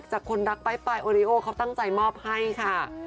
คนรักป้ายโอริโอเขาตั้งใจมอบให้ค่ะ